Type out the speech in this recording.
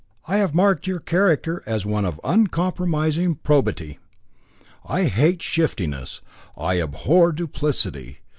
I have marked your character as one of uncompromising probity. I hate shiftiness, I abhor duplicity.